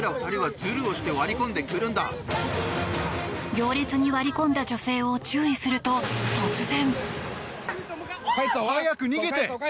行列に割り込んだ女性を注意すると、突然。